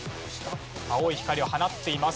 青い光を放っています。